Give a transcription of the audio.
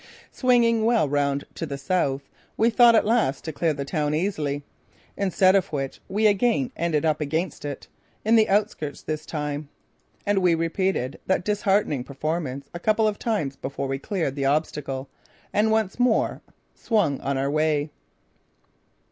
Swinging well round to the south we thought at last to clear the town easily, instead of which we again came up against it, in the outskirts this time. And we repeated that disheartening performance a couple of times before we cleared the obstacle and once more swung on our way.